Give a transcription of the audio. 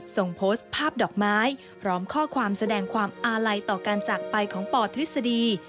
ส่งโพสต์ภาพดอกไม้พร้อมข้อความแสดงความอาลัยต่อการจากไปของปทฤษฎี